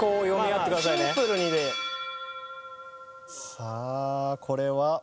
さあこれは。